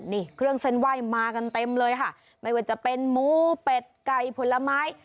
นี่เครื่องเส้นไหว้มากันเต็มเลยค่ะไม่ว่าจะเป็นหมูเป็ดไก่ผลไม้